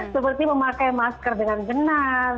seperti memakai masker dengan benar